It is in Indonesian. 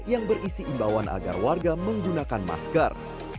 yang berisi imbauan agar warga menggunakan masker